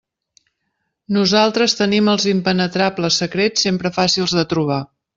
Nosaltres tenim els impenetrables secrets sempre fàcils de trobar.